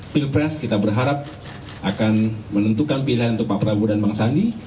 pilpres kita berharap akan menentukan pilihan untuk pak prabowo dan bang sandi